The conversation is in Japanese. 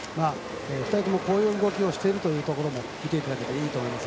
２人ともこういう動きをしているというところも見ていただければいいと思います。